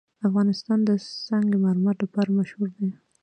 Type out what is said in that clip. افغانستان د سنگ مرمر لپاره مشهور دی.